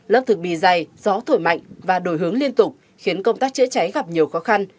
lớp thực bì dày gió thổi mạnh và đổi hướng liên tục khiến công tác chữa cháy gặp nhiều khó khăn